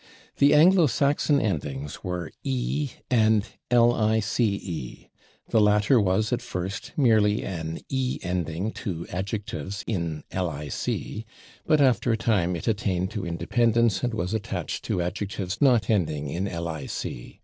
The Anglo Saxon endings were / e/ and / lice/. The latter was, at first, merely an / e/ ending to adjectives in / lic/, but after a time it attained to independence and was attached to adjectives not ending in / lic